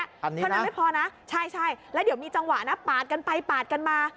เท่านั้นไม่พอนะใช่แล้วเดี๋ยวมีจังหวะนะปาดกันไปปาดกันมา